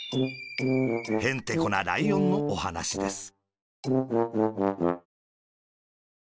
へんてこなライオンのおはなしです。